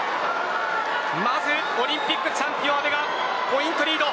まずオリンピックチャンピオン阿部がポイントリード。